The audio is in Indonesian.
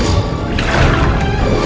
saya akan keluar